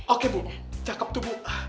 oke bu cakep tuh bu